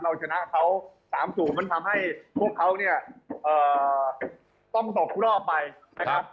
ชนะเขา๓๐มันทำให้พวกเขาเนี่ยต้องตกทุกรอบไปนะครับ